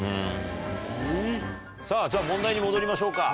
さぁじゃあ問題に戻りましょうか。